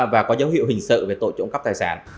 và có dấu hiệu hình sự về tội trộm cắp tài sản